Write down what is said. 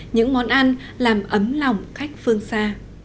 những món ăn làm ấm lòng khách phương xa